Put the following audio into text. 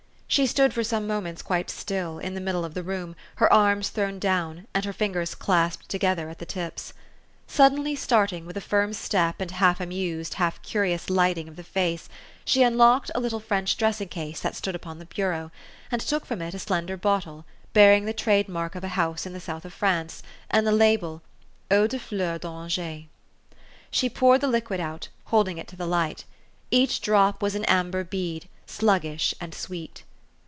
She stood for some moments quite still, in the mid dle of the room, her arms thrown down, and her fingers clasped together at the tips. Suddenly start ing, with a firm step, and half amused, half curious lighting of the face, she unlocked a little French dressing case that stood upon the bureau, and took 144 THE STORY OF AVIS. from it a slender bottle, bearing the trade mark of a house in the south of France, and the label, " Eau de Fleurs d' Granger." She poured the liquid out, holding it to the light. Each drop was an amber bead, sluggish and sweet.